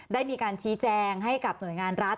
ได้มีการชี้แจงให้กับหน่วยงานรัฐ